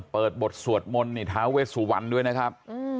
เปิดบทสวดมนต์ทาเวสวันด้วยนะครับ